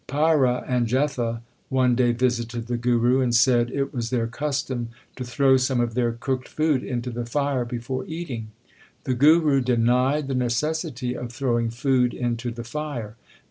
Paira and Jetha one day visited the Guru, and said it was their custom to throw some of their cooked food into the fire before eating. The Guru denied the necessity of throwing food into the fire.